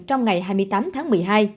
trong ngày hai mươi tám tháng một mươi hai